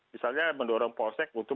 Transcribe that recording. misalnya mendorong polsek untuk